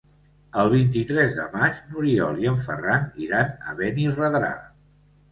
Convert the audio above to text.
El vint-i-tres de maig n'Oriol i en Ferran iran a Benirredrà.